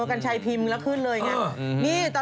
เออกันชัยพิมพ์แล้วขึ้นเลยแง่อือ